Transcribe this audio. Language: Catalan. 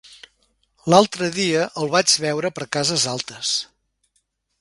L'altre dia el vaig veure per Cases Altes.